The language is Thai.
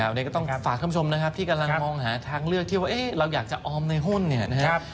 แล้วต้องฝากคำชมนะครับที่กำลังมองหาทางเลือกที่เราอยากจะออมในหุ้นนะครับ